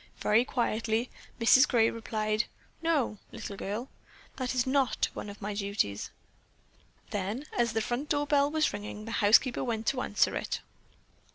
Very quietly Mrs. Gray replied: "No, little girl, that is not one of my duties." Then, as the front door bell was ringing, the housekeeper went to answer it.